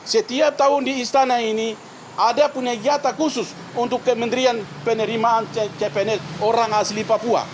setiap tahun di istana ini ada punya giata khusus untuk kementerian penerimaan cpns orang asli papua